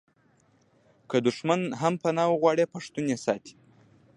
که دښمن هم پنا وغواړي پښتون یې ساتي.